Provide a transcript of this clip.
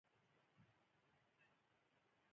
د جمبوري په کڅوړه کې ټول شیان ختم شوي دي.